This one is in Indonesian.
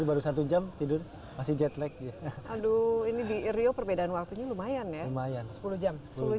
baru satu jam tidur masih jetlag aduh ini di rio perbedaan waktunya lumayan ya lumayan sepuluh jam sepuluh